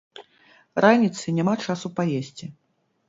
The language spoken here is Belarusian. Раніцай няма часу паесці.